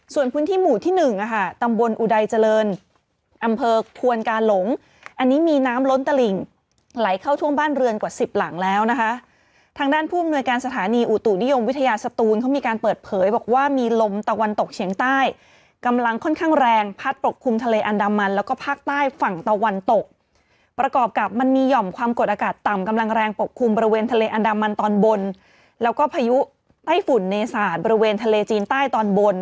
ส่วนพื้นที่หมู่ที่๑อ่ะค่ะตำบลอุดัยเจริญอำเภอทวนกาหลงอันนี้มีน้ำล้นตะหลิงไหลเข้าทั่วบ้านเรือนกว่า๑๐หลังแล้วนะคะทางด้านผู้อำนวยการสถานีอูตุดิโยมวิทยาศตูลเขามีการเปิดเผยบอกว่ามีลมตะวันตกเฉียงใต้กำลังค่อนข้างแรงพัดปกคลุมทะเลอันดามมันแล้วก็ภาคใต้ฝั่งตะวันต